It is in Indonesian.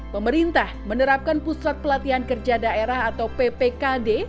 pemerintah menerapkan pusat pelatihan kerja daerah atau ppkd